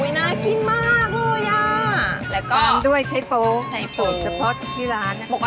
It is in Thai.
อุ้ยน่ากินมากเลยอะแล้วก็ตามด้วยใช้โปสูตรที่ร้านนะคะ